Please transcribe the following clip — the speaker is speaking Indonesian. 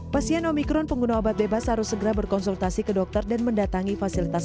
pasien omikron pengguna obat bebas harus segera berkonsumsi obat yang berkonsumsi di dalam tubuhnya diatas sembilan puluh tujuh